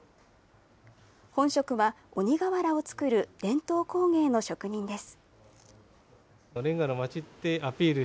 本職は鬼瓦を作る、伝統工芸の職人です。